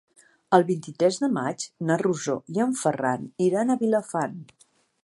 El vint-i-tres de maig na Rosó i en Ferran iran a Vilafant.